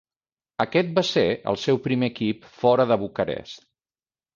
Aquest va ser el seu primer equip fora de Bucarest.